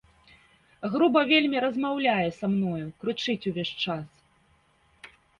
Груба вельмі размаўляе са мною, крычыць увесь час.